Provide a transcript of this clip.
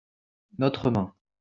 notre main.